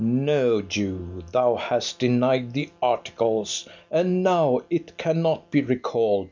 No, Jew, thou hast denied the articles, And now it cannot be recall'd.